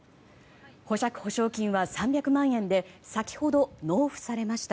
保釈保証金は３００万円で先ほど納付されました。